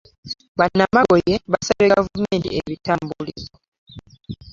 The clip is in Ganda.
B'anamagoye basabye gavumenti ebitambulizo .